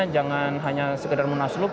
jangan hanya sekedar munaslup